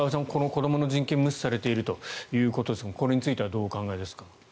子どもの人権が無視されているということですがこれについてはどうお考えですか。